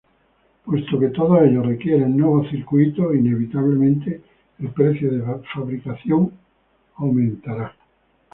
Puesto que todos ellos requieren nuevos circuitos, inevitablemente, el precio de fabricación aumentará.